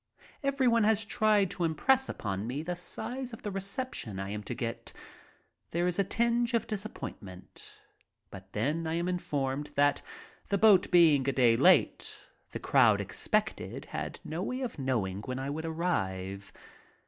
Everyone has tried to impress upon me the size of the recep tion I am to get. There is a tinge of disappointment, but then I am informed that, the boat being a day late, the crowd expected had no way of knowing when I would arrive.